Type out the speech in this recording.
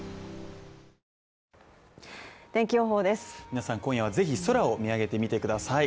皆さん、今夜はぜひ空を見上げてみてください。